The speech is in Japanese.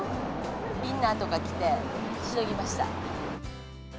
インナーとか着て、しのぎました。